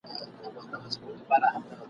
هر ماښام به وو ستومان کورته راغلی ..